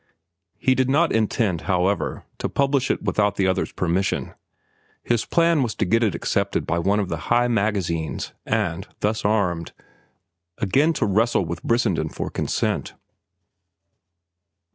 He did not intend, however, to publish it without the other's permission. His plan was to get it accepted by one of the high magazines, and, thus armed, again to wrestle with Brissenden for consent.